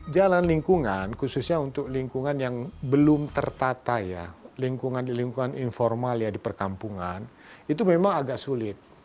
jalan lingkungan khususnya untuk lingkungan yang belum tertata ya lingkungan lingkungan informal ya di perkampungan itu memang agak sulit